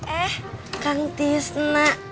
eh kang tisna